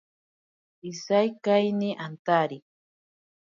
Iseikaeyeni antari.